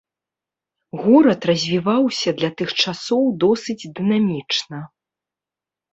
Горад развіваўся для тых часоў досыць дынамічна.